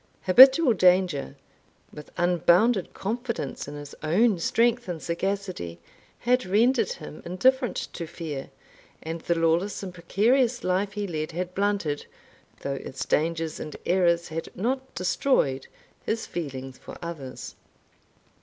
Habitual danger, with unbounded confidence in his own strength and sagacity, had rendered him indifferent to fear, and the lawless and precarious life he led had blunted, though its dangers and errors had not destroyed, his feelings for others.